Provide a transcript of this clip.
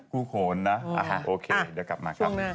คู่โขนนะโอเคเดี๋ยวกลับมาครับ